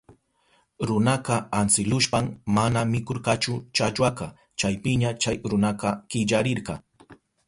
Runaka antsilushpan mana mikurkachu challwaka. Chaypiña chay runaka killarirka.